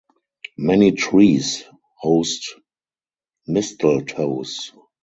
Many trees host mistletoes.